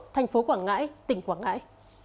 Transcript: thành phố quảng ngãi tỉnh quảng ngãi